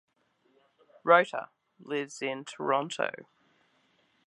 Roter lives in Toronto.